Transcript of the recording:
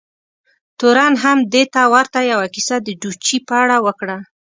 تورن هم دې ته ورته یوه کیسه د ډوچي په اړه وکړه.